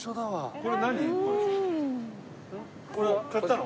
これこれ買ったの？